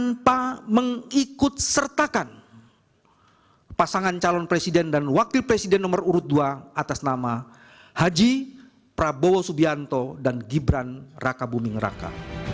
tanpa mengikut sertakan pasangan calon presiden dan wakil presiden nomor urut dua atas nama haji prabowo subianto dan gibran raka buming raka